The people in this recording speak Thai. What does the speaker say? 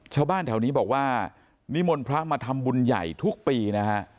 ชาวบ้านแถวนี้บอกว่านิมนต์พระมาทำบุญใหญ่ทุกปีนะฮะ